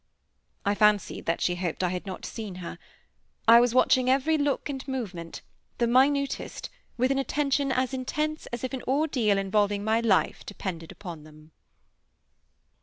I fancied that she hoped I had not seen her. I was watching every look and movement, the minutest, with an attention as intense as if an ordeal involving my life depended on them.